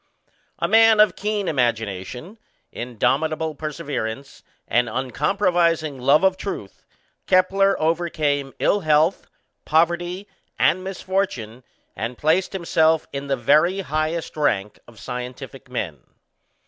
A man of keen imagination, indomitable perseverance, and uncompromising love of truth, Kepler overcame ill health, poverty, and misfortune, and placed himself in the very highest rank of scientific men.